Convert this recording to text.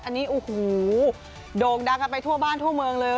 อันนี้โดงดังไปทั่วบ้านทั่วเมืองเลย